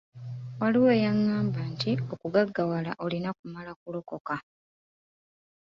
Waliwo eyangamba nti okugaggawala olina kumala kulokoka.